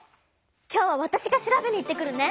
今日はわたしが調べに行ってくるね！